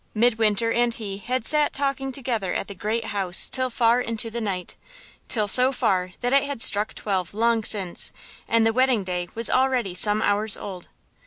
Midwinter and he had sat talking together at the great house till far into the night till so far that it had struck twelve long since, and the wedding day was already some hours old.